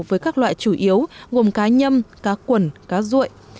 với các loại chủ yếu gồm cá nhâm cá quẩn cá ruội